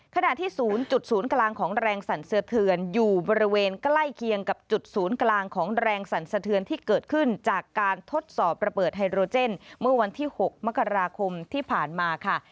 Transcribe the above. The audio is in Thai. ขณะที่๐๐กลางของแรงสั่นสะเทือนอยู่บริเวณใกล้เคียงกับจุดศูนย์กลางของแรงสั่นสะเทือนที่เกิดขึ้นจากการทดสอบระเบิดไฮโรเจนเมื่อวันที่๖มกราคมที่ผ่านมาค่ะ